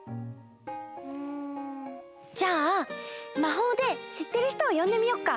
うんじゃあまほうでしってる人をよんでみよっか！